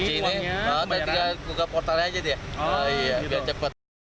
di sini tinggal buka portalnya aja dia